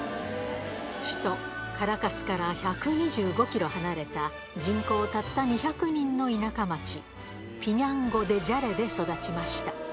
首都カラカスから１２５キロ離れた人口たった２００人の田舎町、ピニャンゴ・デ・ジャレで育ちました。